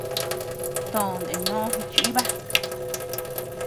Toʼon nde no jichiba.